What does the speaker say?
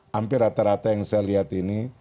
hampir rata rata yang saya lihat ini